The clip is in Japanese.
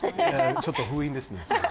ちょっと封印ですね。